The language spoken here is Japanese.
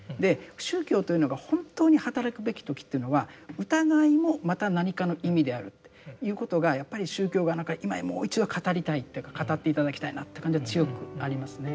宗教というのが本当に働くべき時というのは疑いもまた何かの意味であるっていうことがやっぱり宗教が今もう一度語りたいっていうか語って頂きたいなって感じは強くありますね。